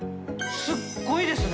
すごいですね。